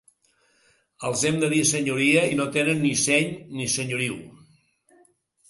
Els hem de dir “senyoria” i no tenen ni seny ni senyoriu.